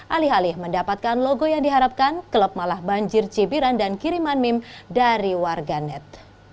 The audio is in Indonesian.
alih alih mendapatkan logo yang diharapkan klub malah banjir cibiran dan kiriman meme dari warganet